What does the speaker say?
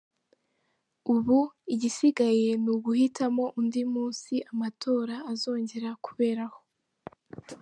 Ubu igisigaye ni uguhitamo undi munsi amatora azongera kuberaho!